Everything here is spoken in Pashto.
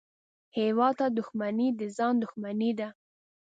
هېواد ته دښمني د ځان دښمني ده